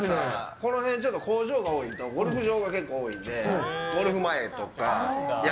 この辺、工場が多いのとゴルフ場が結構多いので。